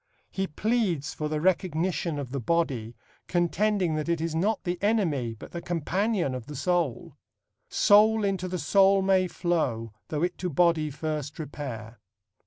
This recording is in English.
He pleads for the recognition of the body, contending that it is not the enemy but the companion of the soul: Soul into the soul may flow Though it to body first repair.